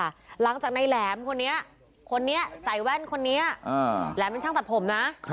ปฏิเสธก็ยาวังจากในแหลมคนนี้ใส่แว่นคนนี้แหลมเป็นช่างตัดผมนะ